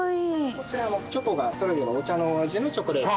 こちらチョコがそれぞれお茶のお味のチョコレート。